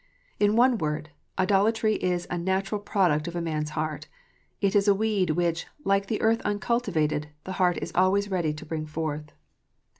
In one word, idolatry is a natural product of man s heart. It is a weed which, like the earth uncultivated, the heart is always ready to bring forth.